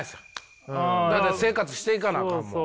だって生活していかなあかんもん。